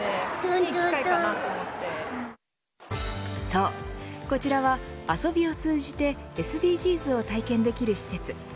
そう、こちらは遊びを通じてＳＤＧｓを体験できる施設。